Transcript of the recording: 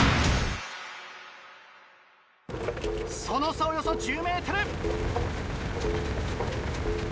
その差およそ１０ｍ。